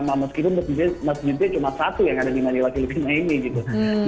meskipun masjidnya cuma satu yang ada di manila filipina ini gitu